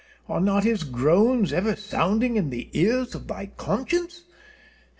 Are not his groans ever sounding in the ears of thy conscience?